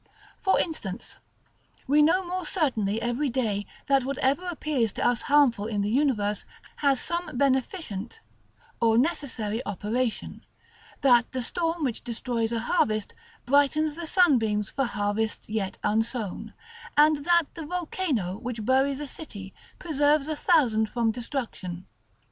§ LVII. For instance. We know more certainly every day that whatever appears to us harmful in the universe has some beneficent or necessary operation; that the storm which destroys a harvest brightens the sunbeams for harvests yet unsown, and that the volcano which buries a city preserves a thousand from destruction.